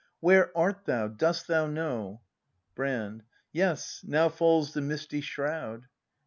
Where art thou, dost thou know? Brand. Yes, now falls the misty shroud.